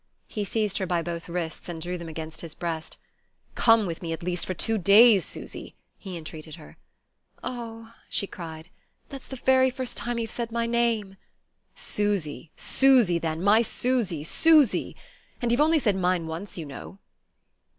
He seized her by both wrists, and drew them against his breast. "Come with me at least for two days Susy!" he entreated her. "Oh," she cried, "that's the very first time you've said my name!" "Susy, Susy, then my Susy Susy! And you've only said mine once, you know."